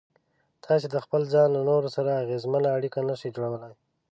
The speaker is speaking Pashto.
تاسې د خپل ځان له نورو سره اغېزمنه اړيکه نشئ جوړولای.